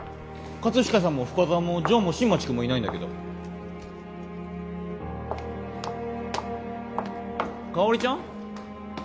葛飾さんも深沢も城も新町君もいないんだけどかほりちゃん？